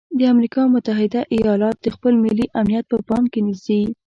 د امریکا متحده ایالات د خپل ملي امنیت په پام کې نیسي.